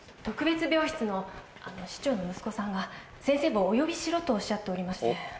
特別病室の市長の息子さんが先生をお呼びしろとおっしゃっておりまして。